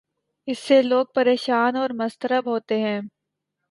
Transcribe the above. اس سے لوگ پریشان اور مضطرب ہوتے ہیں۔